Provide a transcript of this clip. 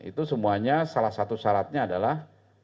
itu semuanya salah satu syaratnya adalah